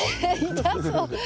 痛そう？